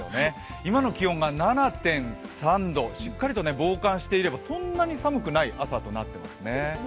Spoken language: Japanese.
今の気温が７．３度、しっかりと防寒していればそんなに寒くない朝となっていますね。